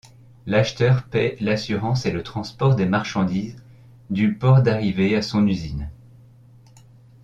L'acheteur paye l'assurance et le transport des marchandises du port d'arrivée à son usine.